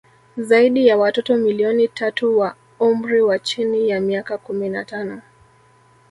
Zaidi ya watoto milioni tatu wa umri wa chini ya miaka kumi na tano